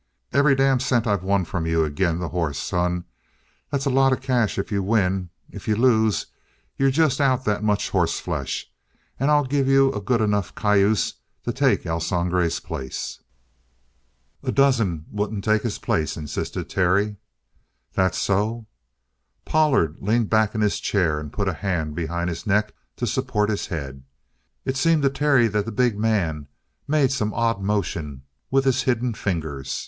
"Every damn cent I've won from you ag'in' the hoss, son. That's a lot of cash if you win. If you lose, you're just out that much hossflesh, and I'll give you a good enough cayuse to take El Sangre's place." "A dozen wouldn't take his place," insisted Terry. "That so?" Pollard leaned back in his chair and put a hand behind his neck to support his head. It seemed to Terry that the big man made some odd motion with his hidden fingers.